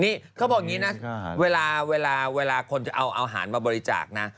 นี่เขาบอกอย่างนี้นะเวลาคนจะเอาอาหารมาบริจาคนะ